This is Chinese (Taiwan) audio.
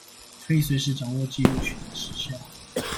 可以隨時掌握紀錄取得時效